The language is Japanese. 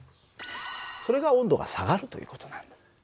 それが温度が下がるという事なんだ。